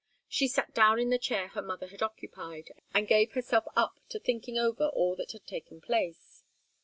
She sat down in the chair her mother had occupied, and gave herself up to thinking over all that had taken place.